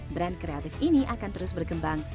brand kreatif ini akan terus berkembang